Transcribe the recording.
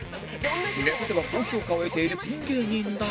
ネタでは高評価を得ているピン芸人だが